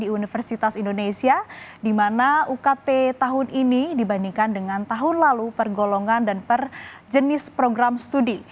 di universitas indonesia di mana ukt tahun ini dibandingkan dengan tahun lalu pergolongan dan per jenis program studi